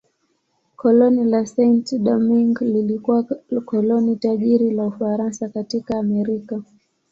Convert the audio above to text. Koloni la Saint-Domingue lilikuwa koloni tajiri la Ufaransa katika Amerika.